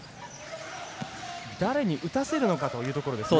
誰に打たせるのかというところですね。